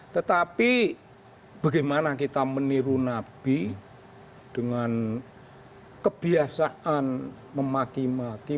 tetapi bagaimana kita meniru nabi dengan kebiasaan memaki maki